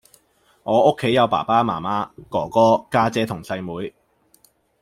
我屋企有爸爸媽媽，哥哥，家姐同細妹